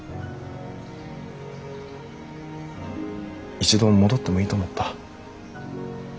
一度戻ってもいいと思った。